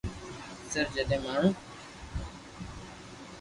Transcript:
صرف جڏهن ماڻهو